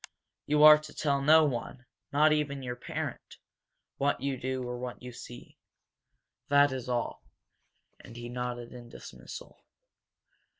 You are to tell no one, not even your parent what you do or what you see. That is all," and he nodded in dismissal.